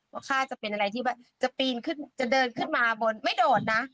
ข้าจะเป็นอะไรที่ว่าจะปีนขึ้นจะเดินขึ้นมาบนไม่โดดนะ